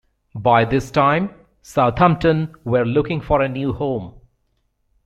By this time, Southampton were looking for a new home.